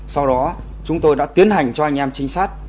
sau đó chúng tôi đã tiến hành cho anh em trinh sát